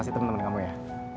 pasti temen temen kamu ya